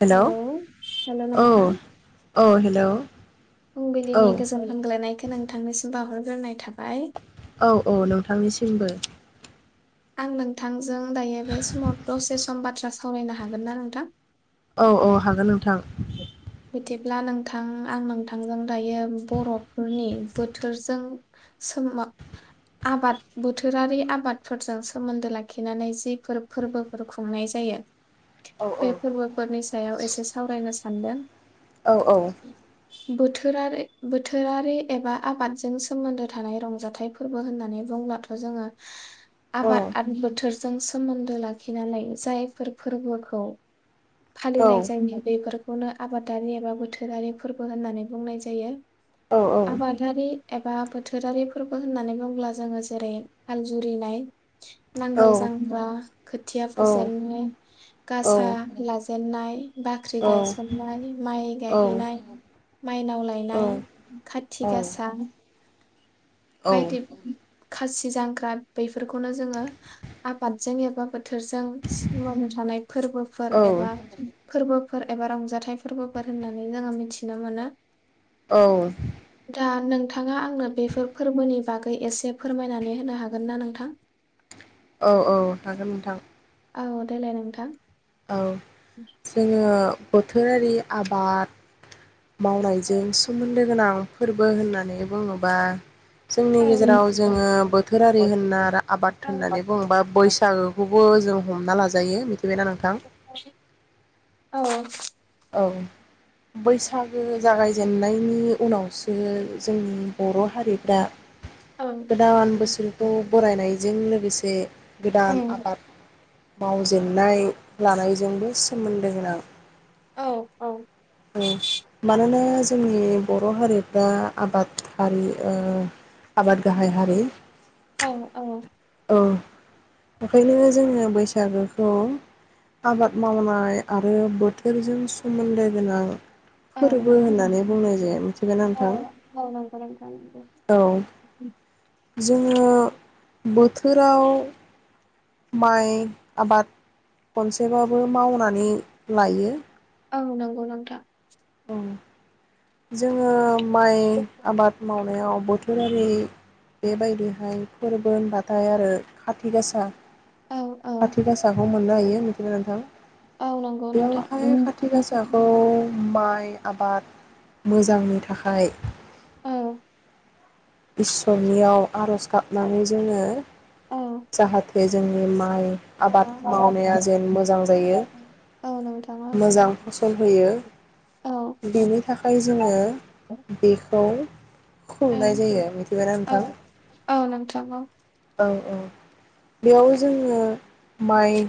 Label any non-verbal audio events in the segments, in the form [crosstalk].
Hello hello hello औ नोंथां औ हेल' फुंबिलिनि गोजोन सामलायनायखौ नोंथांनोसिम बाहरग्रोनाय थाबाय औ औ नोंथांनिसिमबो। आं नोंथांजों दायो बे समाव दसे सम बाथ्रा सावरायनो हागोन ना नोंथां औ औ हागोन नों बिदि ब्ला नोंथां आं नोंथांजों दायो बर'फोरनि बोथोरजों सोमो आबाद बोथोरारि आबादफोरजों सोमोन्दो लाखिनानै जिफोर फोरबोफोर खुंनाय जायो। औ औ बे फोरबोफोरनि सायाव एसे सावरायनो सानदों औ औ बोथोरारि बोथोरारि एबा आबादजों सोमोन्दो थानाय रंजाथाइ फोरबो होननानै बुंब्लाथ' जोंङो औ आबाद आरो बोथोर जों सोमोन्दो लाखिनानै जायफोर फोरबोखौ औ फालिनाय जायो बेफोरखौनो आबादारि एबा बोथोरारि फोरबो होननानै बुंनाय जायो। औ आबादारि एबा बोथोरारि फोरबो होननानै बुंङोब्ला जोंङो जेरै हाल जुरिनाय औ नांगोल जांख्रा खोथिया फुजेनन्नाय गासा लाजेन्नाय बाख्रि गायसननाय माइ गायहैनाय माइनाव लायनाय काथि गासा बायदि खासि जांख्रा बेैफोरखौनो जोंङो आबादजों एबा बोथोरजों सिउवावनो थानाय फोरबोफोर एबा फोरबोफोर एबा रंजाथाइ फोरबोफोर होननानै जोंङो मिथिनो मोनो। औ नोंथांङा आंनो बेफोर फोरबोनि बागै एसे फोरमायनानै होनो हागोन ना नोंथां? औ औ हागोन नोंथां औ देलाय नोंथां औ जोंङो बोथोरारि आबाद मावनायजों सोमोन्दो गोनां फोरबो होननानै बुंङोबा जोंनि औ गेजेराव जोंङो बोथोरारि होनना आबाद औ होननानै बुंङोबा बैसागोखौबो जों हमना लाजायो मिथिबायना नोंथां औ औ बैसागो जागायजेननायनि उनावसो जोंनि बर' हारिफ्रा औ गोदान बोसोरखौ बरायनायजों लोग गोसे गोदान आबाद मावजेननाय लानायजोंबो सोमोन्दो गोनां। औ औ उम मानोना जोंनि बर' हारिफ्रा आबाद हारि ओ आबाद गाहाय हारि। औ औ। औ ओंखायनो जोङो बैसागोखौ आबाद मावनाय आरो बोथोरजों सोमोन्दो गोनां औ औ फोरबो होननानै बुंनाय जायो मिथिबायना नोंथां औ नंगौ नोंथां नंगौ। जोंङो। बोथोराव माइ आबाद खनसेबाबो मावनानै लायो। औ नंगौ नोंथां। जोंङो माइ आबाद मावनायाव बोथोरारि बेबायदिहाय फोरबो होनबाथाय आरो खाथि गासा। औ औ खाथि गासाखौ मोननो हायो मिथिगौ नोंथां औ नंगौ बेयाव नोंथां हाय खाथि गासाखौ! माइ आबाद मोजांनि थाखाय। औ इसोरनियाव आरज गाबनानै जोंङो। औ। जाहाथे बे जोंनि माइ आबाद मावनाया जेन मोजां जायो औ नोंथां औ। मोजां फसल होयो औ बेनि थाखाय जोंङो बेखौ। खुंनाय ओं जायो मिथिबायाना औ नोंथां? औ नोंथां औ औ औ बेयाव जोंङो माइ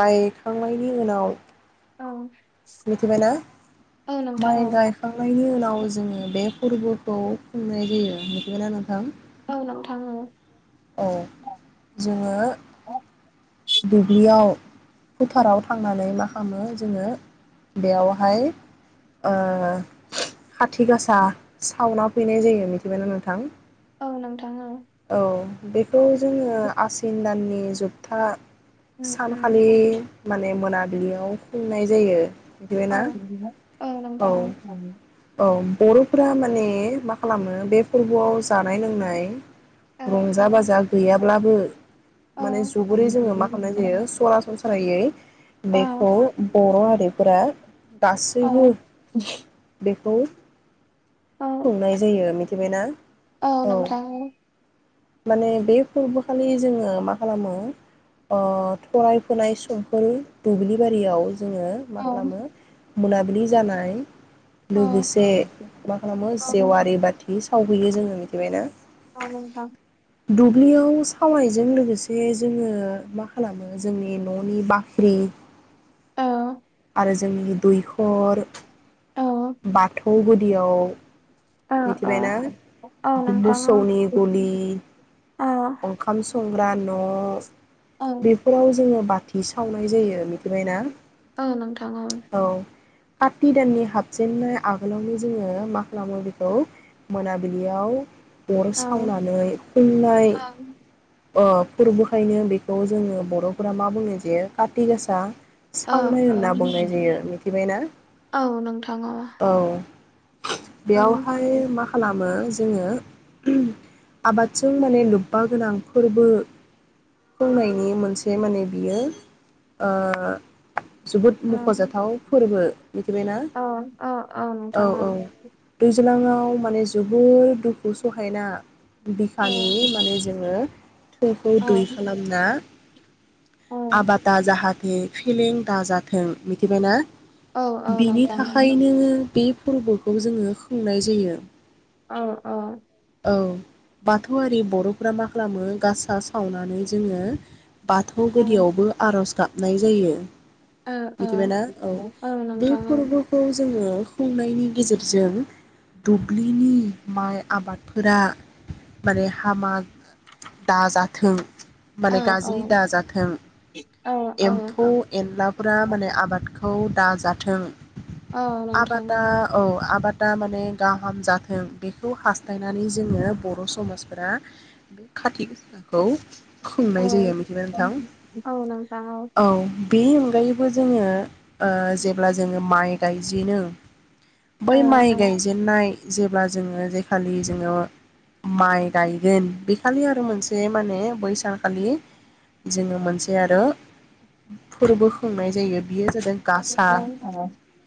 गायखांनायनि उनाव औ मिथिबायना औ नोंथां माइ औ गायखांनायनि उनाव। जोंङो बे फोरबोखौ खुंनाय जायो। मिथिबायना नोंथां? औ नोंथां औ। ओ जोंङो दुब्लियाव फोथाराव थांनानै मा खालामो जोंङो बेयावहाय ओ खाथि गासा सावना फैनाय जायो मिथिबायना नोंथां। औ नोंथां औ। औ बेखौ जोंङो आसिन दाननि जोबथा उम उम सानखालि औ मान मोनाबिलियाव खुंनाय जायो। औ मिथिबायना औ नोंथांऔ। बर'फोरा माने मा खालामो बे फोरबोआव जानाय लोंनाय। औ औ औ रंजा-बाजा गैयाब्लाबो माने जोबोरै जोंङो मा खालामनाय जायो सरासन स्रायै औ बेखौ बर' हारिफोरा गासैबो औ बेखौ औ खुंनाय जायो मिथिबायना? औ नोंथां औ माने बे फोरबोखालि जोंङो मा खालामो ओ थराय फोनाय समफोर दुब्लिबारियाव जोंङो मा खालामो मोना खुलि जानाय औ लोगोसे मा खालामो औ जेवारि बाथि थावहैयो जोंङो मिथिबाय ना? औ नोंथां दुब्लियाव सावनायजों लोगोसे जोंङो मा खालामो जोंनि न'नि बाख्रि औ जोंनि दैखर औ बाथौ गुदियाव औ मिथिबायना औ नोंथां औ मोसौनि गलि औ ओंखाम स संग्रा न' औ बेफोराव जोंङो बाथ थि सावनाय जायो मिथिबायना औ नोंथां औ। खाथि दाननि हाबजेननाय आगोलावनो जोंङो मा खालामो बे खौ मोनाबिलियाव अर नोंथां सावनानै खननाय ओ फोरबोहखायनो बे थ' जोंङो बर'फोरा मा बुंङो जे काति गासा सावनाय होनना बुंनाय जायो मिथिबायना औ औ फाय मा खालाम मो जोंङो आबादजों माने लोब्बा गोनां फोरबो फुंनायनि मोनसे माने बियो ओ जोबोद औ मख'जाथाव फोरबो मिथिबायना? औ औ औ नोंथां औ लाङाव माने जोबोर दुखु सहायना बिखानि माने जोंङो थैखौ औ दै खालामना औ आबादा जाहाथे फेलें दाजाथों मिथिबायना? औ औ बिनि नोंथां औ थाखायनो बे फोरबोखौ जोंङो खुंनाय जायो। औ औ औ बाथौआरि बर'फोरा मा खालामो गासा सावनानै जोंङो बाथौ गुदियावबो आर'ज गाब नाय जायो औ बिथिबायना औ बे नोंथां औ फोरबोखौ जोंङो खुंनायनि गेजेरजों दुब्लिनि माइ आबादफोरा माने हामा दाजाथों औ माने औ गाज्रि दाजाथों औ औ एम्फौ एनलाफोरा माने आबादखौ दा जाथों। औ नोंथां औ नोंथां औ आबादा औ आबाद। दा माने गाहाम जाथों बेखौ हास्थायनानै जोंङो बर' समाजफोरा बे खाथि गासाखौ औ खुंनाय जायो मिथिबाय नोंथां? औ औ नोंथां औ। बेनि अनगायैबो जोंङो ओ जेब्ला जोंङो माइ गायजेनो बै औ ओं। गायजेननाय माइ जेब्ला जोंङो जायखालि जोंङो माइ गायगोन बेखालि आरो मोनसे माने बैसानखालि जोंङो मोनसे आरो फोरबो खुंनाय जायो बियो। जों औ गासा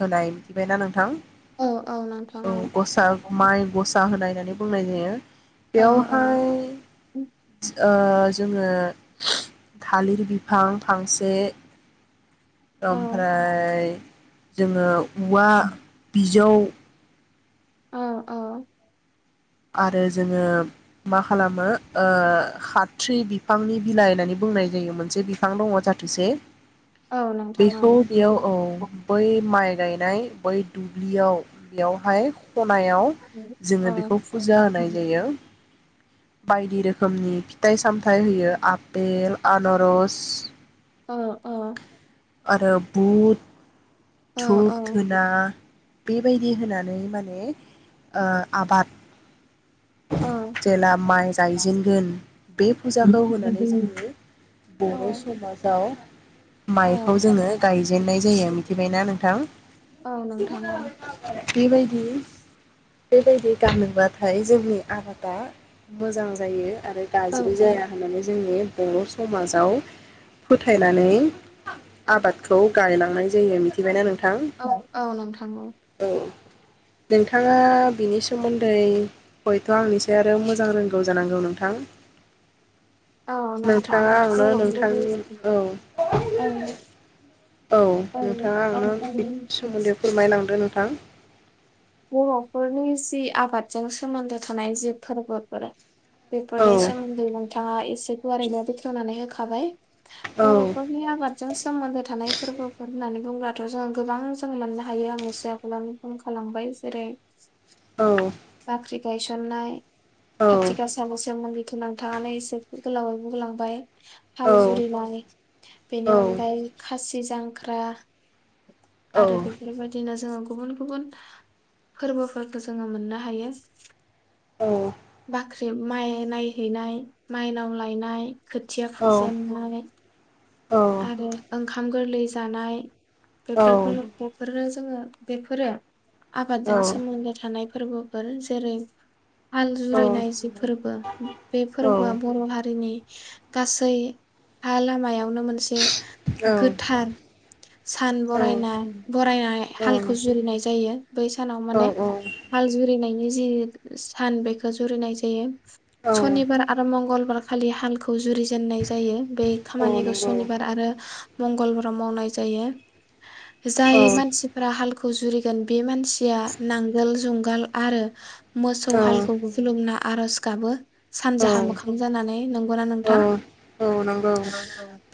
होनाय मिथिबायना नोंथां? औ। औ गसा माइ गसा होनाय होन बुंनाय जायो। बेवहाय ओ जोंङो थालिर बिफां फांसे ओमफ्राय जोंङो औवा बिजौ जौ। औ औ। आरो जोंङो मा खालामो ओ हाथ्रि बिफांनि बिलाइ होननानै बुंनाय जायो मोनसे बिफां दंङ जाथोसे। औ औ बेखौ बेयाव औ बै माइ गायनाय बै दुब्लियाव बेयावहाय खनायाव जोंङो बेखौ फुजा होनाय जायो। बायदि रोखोमनि फिथाइ-सामथाइ होयो आपेल आनारस। अ अ। आरो बुद। धुप धुना। बेबायदि होनानै माने ओ आबाद जेला माइ गायजेनगोन बे फुजाखौ होनानै जोंङो बर' समाजाव माइखौ जोंङो गायजेननाय जायो मिथिबायना नोंथां? बेबायदि बेबायदि गानोबाथाय। जोंनि आबादा मोजां जायो आरो गाज्रि जाया होननानै जोंनि बर' समाजाव फोथायनानै आबादखौ गायलांनाय जायो। मिथिबायना नों औ औ नोंथां औ। नोंथाङा बिनि सोमोन्दै हयथ' आंनिसाय आरो मोजां रोंगौ जानांगौ नोंथां। औ नोथां नोंथाङा आंनो नोंथांनि औ [unintelligible] औ नोंथाङा आंनो बे सोमोन्दै फोरमायलांदों नोंथां। बर'फोरनि जि आबाद जों सोमोन्दो थानाय जि फोरबोफोर औ बेफोरनि सोमोन्दै नोंथाङा एसे गुवारैनो बेखेवनानै होखाबाय। औ बर'फोरनि आबादजों सोमोन्दो थानाय फोरबोफोर होननानै बुंब्लाथ' जोङो गोबां जों मोननो हायो आं एसे आगोलावनो बुंखालांबाय। जेरै औ। गायसनाय औ खाथिखासा [unintelligible] थु नोंथां आंनो एसे गोलावै बुंलांबाय। हाल औ जुरिनाय बेनि औ अनगायै खासि जां [unintelligible] औ आरो बेफोरबायदिनो जोङो गुबुन गुबुन फोरबोफोरखौ जोङो मोननो हायो। औ। बाख्रिब माइ नायहैनाय माइनाव लायनाय, खोथिया फुजेननाय, औ आरो ओंखाम गोरलै जानाय, औ बेफोरखौनो [unintelligible] जोङो बेफोरो आबादजों सोमोन्दो थानाय फोरबोफोर जेरै हाल जुरिनाय जि फोरबो बे फोरबोआ बर' हारिनि गासै लामायावनो गोथार सान बरायना बरायनाय हालखौ जुरिनाय जायो बै सानाव माने औ हाल जुरिनायनि जि सान बेखौ जुरिनाय जायो औ सनिबार आरो मंगलबार खालि हालखौ जुरिजेननाय जायो बे औ खामानिखौ नंगौ सनिबार आरो मंगलबाराव मावनाय जायो औ जाय मानसिफ्रा हाल खौ जुरिगोन बे मान सिया नांगोल जुंगाल आरो मोसौ औ हालखौ खुलुमना आरज गाबो औ सानजाहा मोखां जानानै नंगौना औ नोंथां औ नंगौ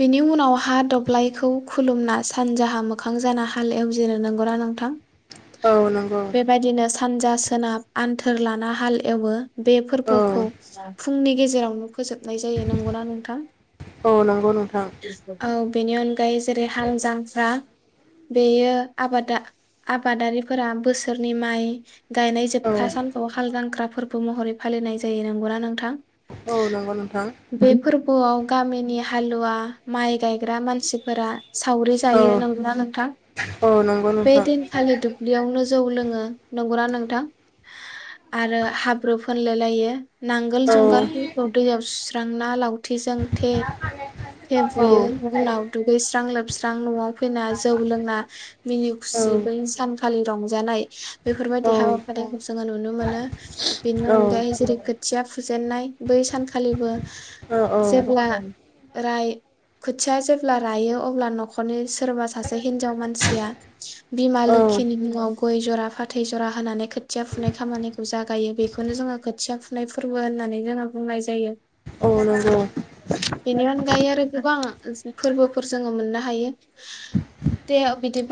बिनि उनाव हा दब्लायखौ खुलुमना सानजाहा मोखां जाना हाल एवजेनो नोंगौ ना नोंथां औ नंगौ बेबायदिनो सानजा सोनाब आन्थोर लाना हाल एवो बे औ फोरबोखौ फुंनि गेजे रावनो फोजोबनाय जायो नंगौना नोंथां औ नंगौ नोंथां औ बेनि अनगायै जेरै हाल जांख्रा बेयो आबादा आबादारिफोरा बोसोरनि माइ गायनाय औ जोबथा सानथौ हाल जांख्रा फोर बो महरै फालिनाय जायो नंगौना नोंथां? औ नंगौ नोंथां फुंआव गामिनि हालुवा माइ गाय ग्रा मानसिफोरा सावरि औ जायो नंगौना नोंथां औ नंगौ बे नोंथां दिनखालि दुब्लियावनो जौ लोङो। नंगौ ना नोंथां? आरो हाब्रु फोनलाय लायो। नांगोल औ जुंगालफोरखौ दैयाव सु सांना लाव थिजों थे औ बुयो उनाव दुगैस्रां लोबस्रां न'आव फैना जौ लोंना मिनि खुसि बै औ सानखा रंजानाय बेफोरबायदि हाबाफारिखौ जोङो नुनो मोनो। बेनि अनगायै औ जेरै खोथिया फुजेननाय बै सानखालिबो औ जेब्ला राय खोथिया जेब्ला रायो अब्ला न'खरनि सोरबा सासे हिनजाव मानसिया बिमा लोखिनि औ मुङाव गय जरा फाथै जरा होनानै खोथिया फुनाय खामानिखौ जागायो बेखौनो जोङो खोथिया फुनाय फोरबो होननानै जोङो बुंनाय जायो। औ नंगौ। बिनि अनगायै आरो गोबां फोरबोफोर जोङो मोननो हायो। दे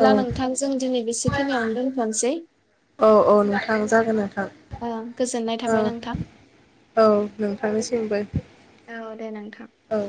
औ नोंथां जों दिनै बेसेखिनिआवनो दोनथ'नोसै। औ औ नोंथां जागोन नोंथां। ओ गोजोननाय थाबाय नोंथां। ओ औ नोंथांनिसिमबो औ दे नोंथां। औ।